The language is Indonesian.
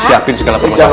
siapin segala pemasakannya